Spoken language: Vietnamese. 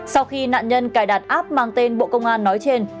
sau khi nạn nhân cài đặt app mang tên bộ công an nói trên